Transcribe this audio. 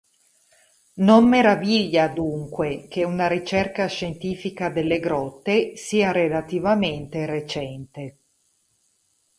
Non meraviglia dunque che una ricerca scientifica delle grotte sia relativamente recente.